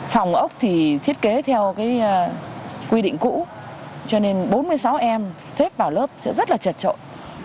phòng ốc thì thiết kế theo quy định cũ cho nên bốn mươi sáu em xếp vào lớp sẽ rất là chật trội